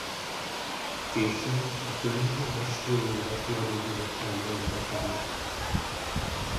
Később a Könyv- és Folyóirat-kiadó Bizottságba is bekerült.